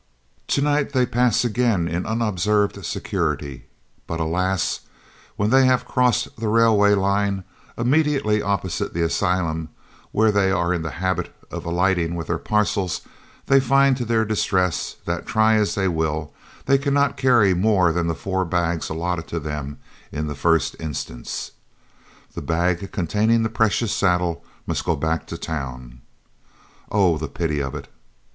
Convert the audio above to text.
To night they pass again in unobserved security, but alas! when they have crossed the railway line, immediately opposite the asylum, where they are in the habit of alighting with their parcels, they find to their distress that, try as they will, they cannot carry more than the four bags allotted to them in the first instance. The bag containing the precious saddle must go back to town. Oh, the pity of it!